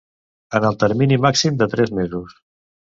En el termini màxim de tres mesos.